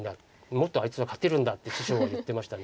もっとあいつは勝てるんだ」って師匠は言ってました。